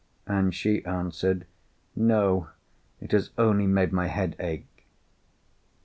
And she answered, "No; it has only made my head ache."